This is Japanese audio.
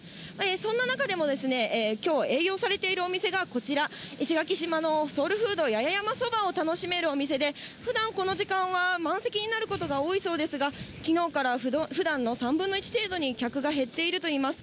そんな中でも、きょう、営業されているお店がこちら、石垣島のソウルフード、八重山そばを楽しめるお店で、ふだんこの時間は満席になることが多いそうですが、きのうからふだんの３分の１程度に客が減っているといいます。